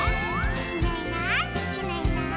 「いないいないいないいない」